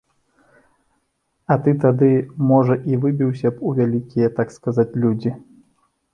А ты тады, можа, і выбіўся б у вялікія, так сказаць, людзі.